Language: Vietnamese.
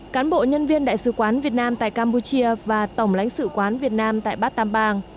cán bộ nhân viên đại sứ quán việt nam tại campuchia và tổng lãnh sự quán việt nam tại bát tàm bang